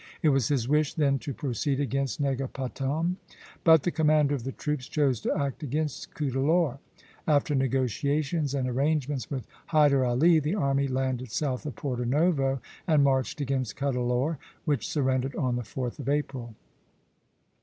It was his wish then to proceed against Negapatam; but the commander of the troops chose to act against Cuddalore. After negotiations and arrangements with Hyder Ali the army landed south of Porto Novo, and marched against Cuddalore, which surrendered on the 4th of April.